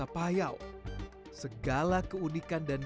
namun jika yang dirasakan airnya manis atau tawar